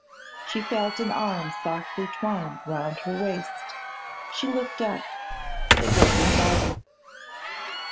She felt an arm softly twined round her waist; she looked up; it was her father.